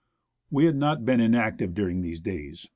We had not been inactive during these days.